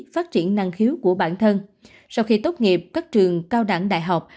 phát triển năng khiếu của bản thân sau khi tốt nghiệp các trường cao đẳng đại học